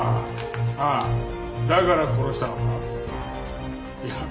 あっだから殺したのか？